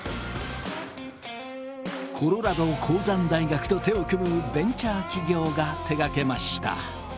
コロラド鉱山大学と手を組むベンチャー企業が手がけました。